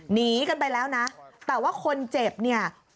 หนีกันไปแล้วนะแต่ว่าคนเจ็บเนี่ย